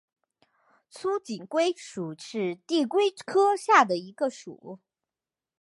粗颈龟属是地龟科下的一个属。